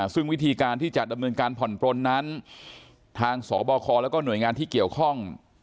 ซึ่งวิธีการที่จะดำเนินการผ่อนปลนนั้นทางสบคแล้วก็หน่วยงานที่เกี่ยวข้อง